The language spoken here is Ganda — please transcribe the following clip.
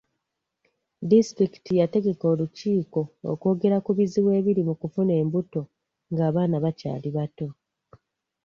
Disitulikiti yategeka olukiiko okwogera ku bizibu ebiri mu kufuna embuto ng'abaana bakyali bato.